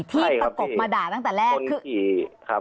ที่ประกบมาด่าตั้งแต่แรก